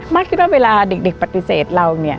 มากคิดว่าเวลาเด็กปฏิเสธเรา